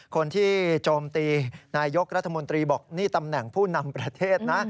คนที่โจมตีนายกรัฐมนตรีบอกนี่ตำแหน่งผู้นำประเทศนะ